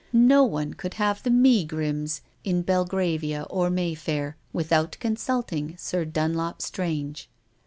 No one could have the megrims in Belgravia or Mayfair without consulting Sir Dunlop Strange.